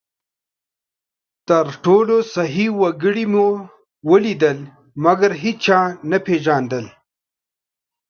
تر ټولو سخي وګړي مې ولیدل؛ مګر هېچا نه پېژندل،